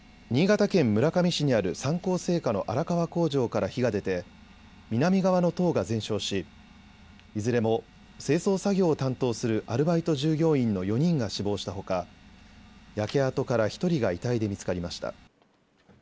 新潟県村上市にある三幸製菓の荒川工場から火が出て南側の棟が全焼しいずれも清掃作業を担当するアルバイト従業員の４人が死亡したほか焼け跡から１人が遺体で見つかりました。